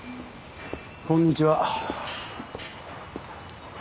こんにちは。